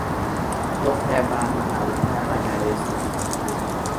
โรงพยาบาลมหาวิทยาลัยนเรศวร